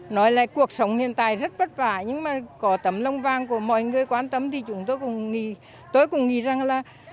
nói lại cuộc sống hiện tại rất bất vả nhưng mà có tấm lông vang của mọi người quan tâm thì chúng tôi cũng nghĩ rằng là